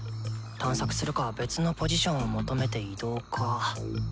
探索するか別のポジションを求めて移動か。